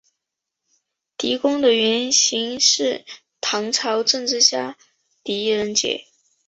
狄公的原型是唐朝政治家狄仁杰。